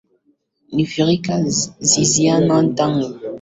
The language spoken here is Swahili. ni fikira zianze tangu watu wana miaka kumi na nane wanapokuwa watu wazima kujijengea